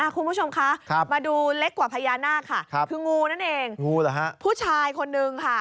คุณผู้ชมคะมาดูเล็กกว่าพญานาคค่ะคืองูนั่นเองงูเหรอฮะผู้ชายคนนึงค่ะ